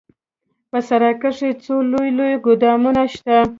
په سراى کښې څو لوى لوى ګودامونه سته.